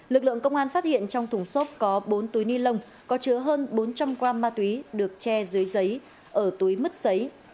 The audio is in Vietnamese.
lực lượng công an phát hiện trong thùng xốp có bốn túi ni lông có chứa hơn bốn trăm linh g ma túy được che dưới giấy ở túi mứt giấy